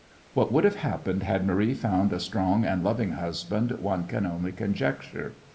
What would have happened had Marie found a strong and loving husband one can only conjecture.